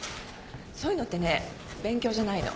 そういうのってね勉強じゃないの。